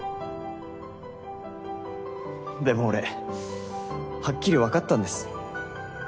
でも俺はっきりわかったんです。